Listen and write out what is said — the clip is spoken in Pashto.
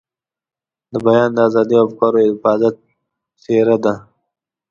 د بیان د ازادۍ او افکارو د حفاظت څېره ده.